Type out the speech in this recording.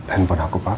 handphone aku pak